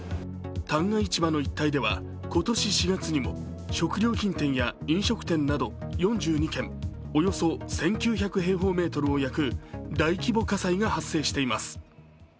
旦過市場の一帯では、今年４月にも食料品店や飲食店など４２軒およそ１９００平方メートルを焼く大規模火災が発生しています。